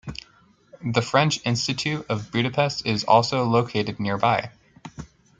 The French Institute of Budapest is also located nearby.